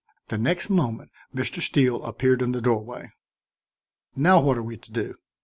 The next moment Mr. Steele appeared in the doorway. "Now what are we to do?"